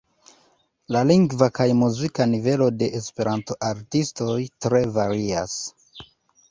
La lingva kaj muzika nivelo de Esperanto-artistoj tre varias.